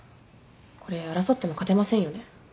これ争っても勝てませんよね？